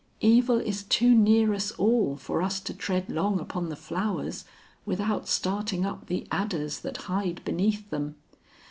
Evil is too near us all for us to tread long upon the flowers without starting up the adders that hide beneath them.